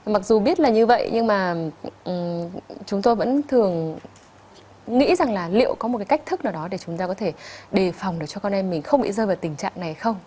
mặc dù biết là như vậy nhưng mà chúng tôi vẫn thường nghĩ rằng là liệu có một cái cách thức nào đó để chúng ta có thể đề phòng để cho con em mình không bị rơi vào tình trạng này không